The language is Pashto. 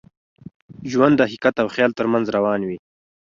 ژوند د حقیقت او خیال تر منځ روان وي.